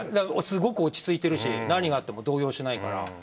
すごく落ち着いてるし何があっても動揺しないから。